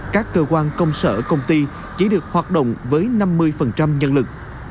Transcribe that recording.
các cơ quan công sở công ty chỉ được hoạt động với năm mươi nhân lực